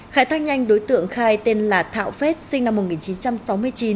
khải thăng nhanh đối tượng khai tên là thạo phết sinh năm một nghìn chín trăm sáu mươi